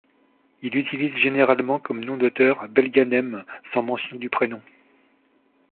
Il utilise généralement comme nom d'auteur Belghanem, sans mention du prénom.